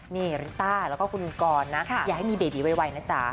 นี่ริต้าแล้วก็คุณกรนะอย่าให้มีเบบีไวนะจ๊ะ